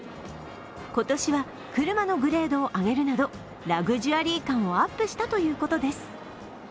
今年は車のグレードを上げるなど、ラグジュアリー感をアップしたということです。